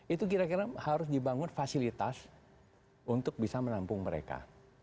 itu kira kira harus dibangun fasilitas untuk bisa menampung mereka